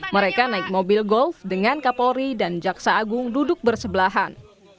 mereka naik mobil golf dengan kapolri dan jaksa agung duduk bersebelahan